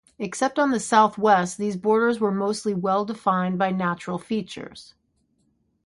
Except on the south-west, these borders were mostly well defined by natural features.